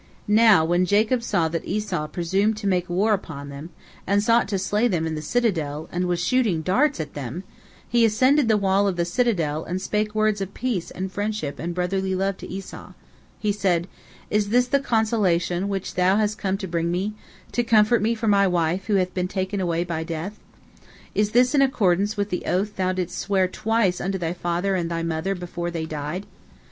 Now when Jacob saw that Esau presumed to make war upon them, and sought to slay them in the citadel, and was shooting darts at them, he ascended the wall of the citadel and spake words of peace and friendship and brotherly love to Esau. He said: "Is this the consolation which thou hast come to bring me, to comfort me for my wife, who hath been taken by death? Is this in accordance with the oath thou didst swear twice unto thy father and thy mother before they died?